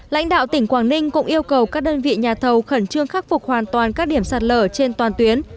lãnh đạo tỉnh quảng ninh cũng yêu cầu các đơn vị nhà thầu khẩn trương khắc phục hoàn toàn các điểm sạt lở trên toàn tuyến